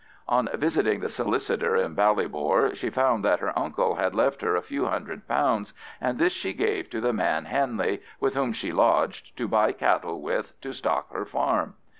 On visiting the solicitor in Ballybor, she found that her uncle had left her a few hundred pounds, and this she gave to the man Hanley, with whom she lodged, to buy cattle with to stock her farm.